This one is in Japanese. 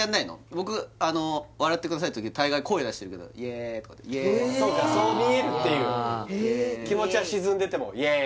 僕笑ってくださいって時大概声出してるけどいぇーいとかっていぇーいそうかそう見えるっていう気持ちは沈んでてもいぇー